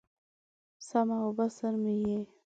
سمع او بصر مې یې